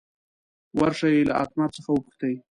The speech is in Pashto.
ور شئ له اتمر څخه وپوښتئ.